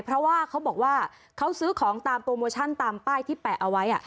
เพราะว่าเขาบอกว่าเขาซื้อของตามโปรโมชั่นตามป้ายที่แปะเอาไว้